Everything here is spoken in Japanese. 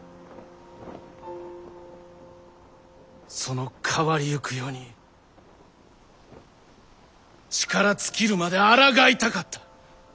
その変わりゆく世に力尽きるまであらがいたかった。